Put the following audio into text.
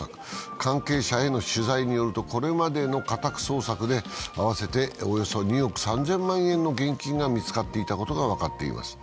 関係者への取材によると、これまでの家宅捜索で合わせておよそ２億３０００万円の現金が見つかっていたことが分かっています。